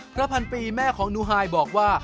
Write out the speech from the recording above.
ภรรพันธุ์ปีแม่ของนุฮายบอกว่า